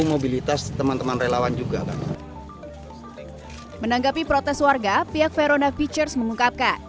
mobilitas teman teman relawan juga kan menanggapi protes warga pihak verona features mengungkapkan